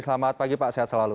selamat pagi pak sehat selalu